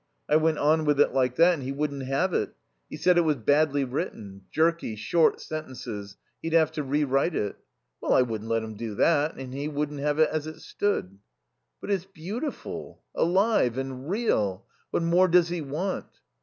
I went on with it like that, and he wouldn't have it. He said it was badly written jerky, short sentences he'd have to re write it. Well I wouldn't let him do that, and he wouldn't have it as it stood." "But it's beautiful alive and real. What more does he want?"